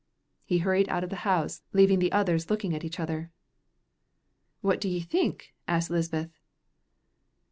He hurried out of the house, leaving the others looking at each other. "What do ye think?" asked Lisbeth.